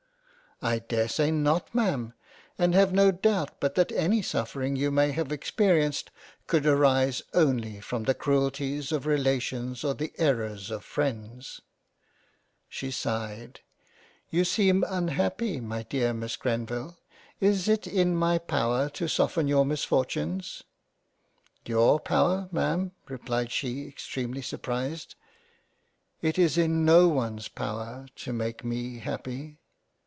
" I dare say not Ma'am, and have no doubt but that any suffer ings you may have experienced could arise only from the cruelties of Relations or the Errors of Freinds." She sighed —" You seem unhappy my dear Miss Grenville — Is it in my power to soften your Misfortunes ?"" Tour power Ma'am replied she extremely surprised ; it is in no ones power to make me happy."